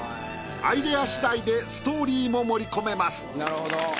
アイディアしだいでストーリーも盛り込めます。